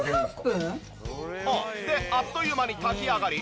であっという間に炊き上がり。